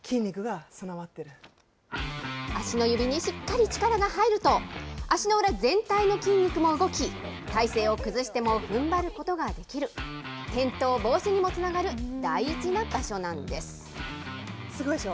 足の指にしっかり力が入ると、足の裏全体の筋肉も動き、体勢を崩してもふんばることができる、転倒防止にもつながる大事な場所すごいでしょ？